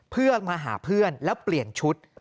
เพื่อมาหาเพื่อนแล้วเปลี่ยนชุด